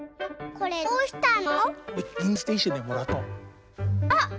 これどうしたの？